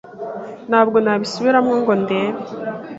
Ntabwo nabisubiramo ngo ndebe.